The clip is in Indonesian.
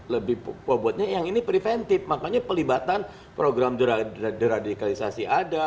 lebih bobotnya yang ini preventif makanya pelibatan program deradikalisasi ada